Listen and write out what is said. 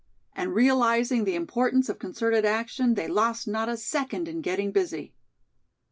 And realizing the importance of concerted action, they lost not a second in getting busy.